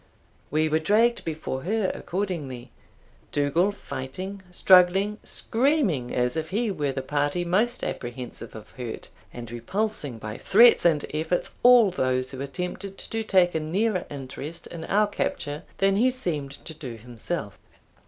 We were dragged before her accordingly, Dougal fighting, struggling, screaming, as if he were the party most apprehensive of hurt, and repulsing, by threats and efforts, all those who attempted to take a nearer interest in our capture than he seemed to do himself.